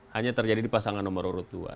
hanya terjadi di pasangan nomor urut dua